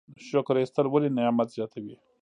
شکر ایستل ولې نعمت زیاتوي؟